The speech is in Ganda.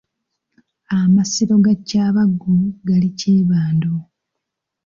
Amasiro ga Kyabaggu gali Kyebando.